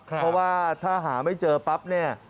เพราะว่าถ้าหาไม่เจอปั๊บ